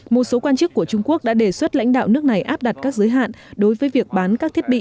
một số quan chức của trung quốc đã đề xuất lãnh đạo nước này áp đặt các giới hạn đối với việc bán các thiết bị